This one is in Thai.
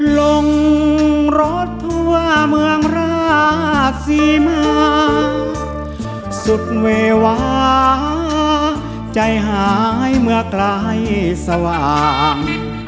ลงรถทั่วเมืองราชศรีมาสุดเววาใจหายเมื่อไกลสว่าง